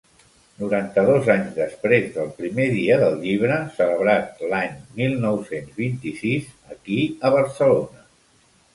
Noranta-dos anys després del primer dia del llibre, celebrat l'any mil nou-cents vint-i-sis aquí a Barcelona.